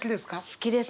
好きです。